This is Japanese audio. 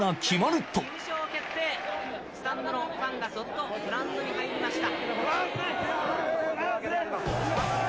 スタンドのファンがどっと、グラウンドに入りました。